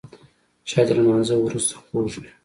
چای د لمانځه وروسته خوږ وي